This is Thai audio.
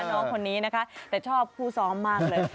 น้องคนนี้นะคะแต่ชอบคู่ซ้อมมากเลย